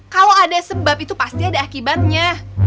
kalau ada sebab itu pasti ada akibatnya